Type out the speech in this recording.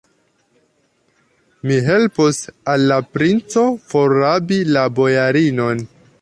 Mi helpos al la princo forrabi la bojarinon.